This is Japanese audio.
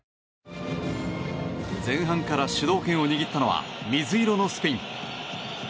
前半から主導権を握ったのは水色のスペイン。